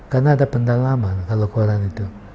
karena ada pendalaman kalau koran itu